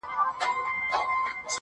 بې څښلو مي مِزاج د مستانه دی,